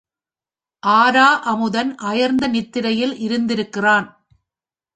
ஆரா அமுதன் அயர்ந்த நித்திரையில் இருந்திருக்கிறான்.